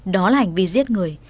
đó là hành vi giết người